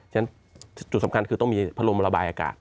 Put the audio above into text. จุดสำคัญคือต้องมีประโลมระบายอากาศ